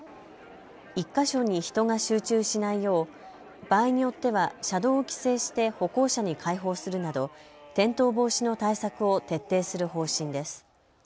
１か所に人が集中しないよう場合によっては車道を規制して歩行者に開放するなど転倒防止の対策を徹底する方針です。